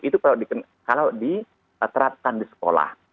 itu kalau diterapkan di sekolah